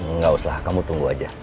nggak usah kamu tunggu aja